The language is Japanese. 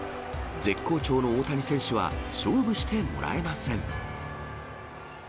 絶好調の大谷選手は勝負してもらえません。